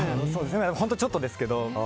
本当にちょっとですけど。